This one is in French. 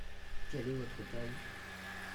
Quel est votre taille ?